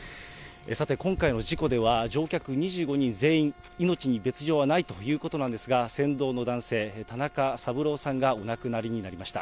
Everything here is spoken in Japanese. さて、今回の事故では、乗客２５人全員、命に別状はないということなんですが、船頭の男性、田中三郎さんがお亡くなりになりました。